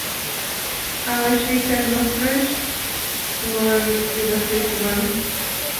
Ала эше иктаж-мо кӱлеш? — кумылын йодыштеш Йыван.